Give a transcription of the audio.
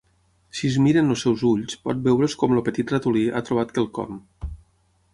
Si es miren els seus ulls, pot veure's com el petit ratolí ha trobat quelcom.